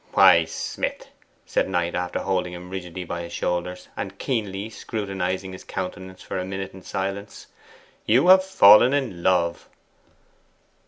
'Why, Smith,' said Knight, after holding him rigidly by the shoulders, and keenly scrutinising his countenance for a minute in silence, 'you have fallen in love.